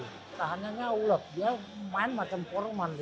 pertahanannya uleg dia main macam foreman dia